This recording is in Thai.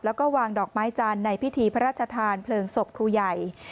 แล้วก็วางดอกไม้จันทร์ในพิธีพระราชทานเพลิงศพครูใหญ่